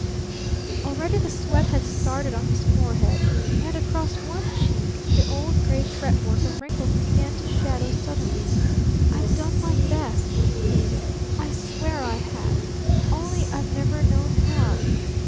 Already the sweat had started on his forehead, and across one cheek the old gray fretwork of wrinkles began to shadow suddenly. "I've done my best!" he pleaded. "I swear I have! Only I've never known how!